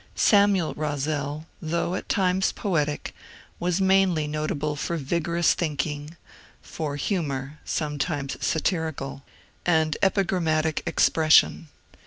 Samuel Ros zel, though at times poetic, was mainly notable for vigorous thinking, for humour (sometimes satirical), and epigrammatic NOBVAL WILSON 59 expression.